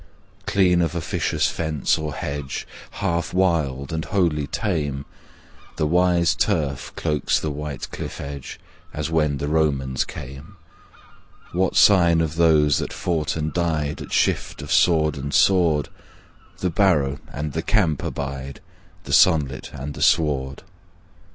Clean of officious fence or hedge, Half wild and wholly tame, The wise turf cloaks the white cliff edge As when the Romans came. What sign of those that fought and died At shift of sword and sword? The barrow and the camp abide, The sunlight and the sward.